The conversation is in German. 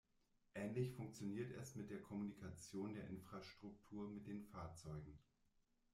Ähnlich funktioniert es mit der Kommunikation der Infrastruktur mit den Fahrzeugen.